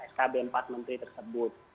skb empat menteri tersebut